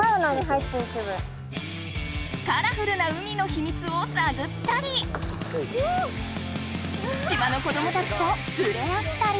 カラフルな海のヒミツをさぐったり島の子どもたちとふれ合ったり。